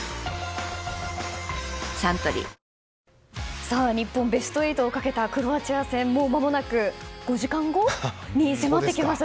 サントリー日本、ベスト８をかけたクロアチア戦もうまもなく５時間後に迫ってきました。